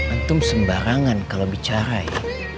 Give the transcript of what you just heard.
antum sembarangan kalau bicara ya